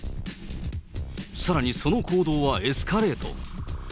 さらに、その行動はエスカレート。